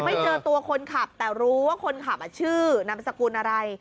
ไม่เจอตัวคนขับแต่รู้ว่าคนขับชื่อนามสกุลอะไร